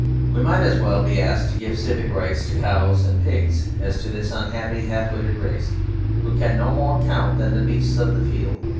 We might as well be asked to give civic rights to cows and pigs as to this unhappy, half witted race who can no more count than the beasts of the field.